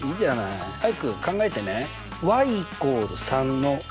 アイク考えてね。